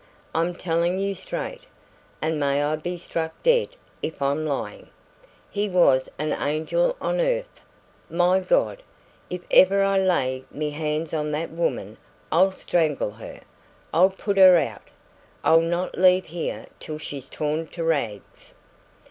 I'm telling you straight, and may I be struck dead if I'm lying! He was an angel on earth my God, if ever I lay me hands on that woman, I'll strangle her. I'll put her out! I'll not leave her till she's torn to rags!"